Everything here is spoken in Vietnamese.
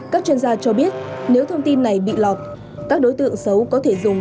các chuyên gia cho biết nếu thông tin này bị lọt các đối tượng xấu có thể dùng